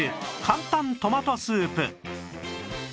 簡単トマトスープ